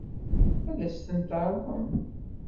Ad as-ten-tɛeṛḍem?